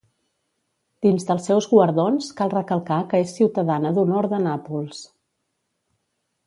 Dins dels seus guardons cal recalcar que és ciutadana d'honor de Nàpols.